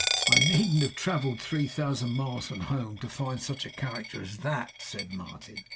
'I needn't have travelled three thousand miles from home to find such a character as THAT,' said Martin.